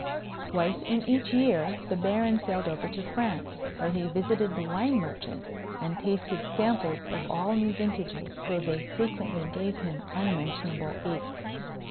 Twice in each year the Baron sailed over to France, where he visited the wine merchants, and tasted samples of all new vintages, though they frequently gave him unmentionable aches.